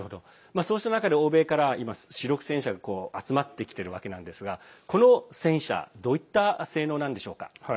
そうした中で欧米からは主力戦車が集まってきているわけなんですがこの戦車、どういった性能なんでしょうか？